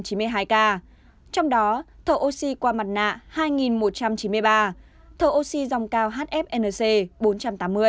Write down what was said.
trong đó thợ oxy qua mặt nạ hai một trăm chín mươi ba thợ oxy dòng cao hfnc bốn trăm tám mươi